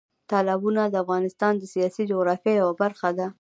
تالابونه د افغانستان د سیاسي جغرافیه یوه برخه ده.